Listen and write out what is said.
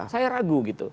saya ragu gitu